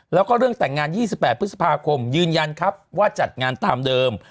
แล้วก็เรื่องแต่งงาน๒๘พฤษภาคมยืนยันครับว่าจัดงานตามเดิม